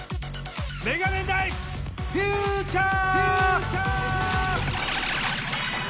メガネダイブフューチャー！